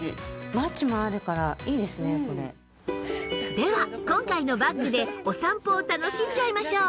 では今回のバッグでお散歩を楽しんじゃいましょう！